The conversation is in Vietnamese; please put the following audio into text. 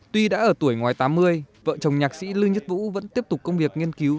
tuy đã ở tuổi ngoài tám mươi vợ chồng nhạc sĩ lư nhất vũ vẫn tiếp tục công việc nghiên cứu